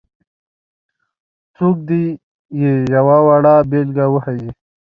څوک دې یې یوه وړه بېلګه وښيي.